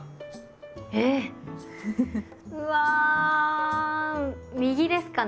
えっ⁉うわ右ですかね？